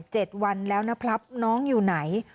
เจ็ดวันแล้วนะพลับน้องอยู่ไหน